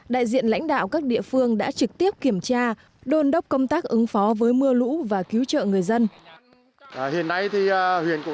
đại diện lãnh đạo các địa phương đã trực tiếp kiểm tra đôn đốc công tác ứng phó với mưa lũ và cứu trợ người dân